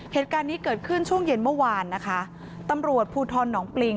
เหตุการณ์นี้เกิดขึ้นช่วงเย็นเมื่อวานนะคะตำรวจภูทรหนองปริง